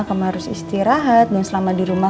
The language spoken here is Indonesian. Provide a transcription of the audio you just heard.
kamu harus istirahat dan selamat berada di rumah